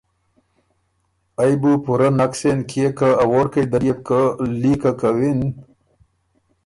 ائ بُو پُورۀ نک سېن کيې که ا ووړکئ دل يې که لیکه کوِن